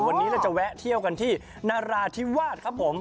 วันนี้เราจะแวะเที่ยวกันที่นราธิวาสครับผม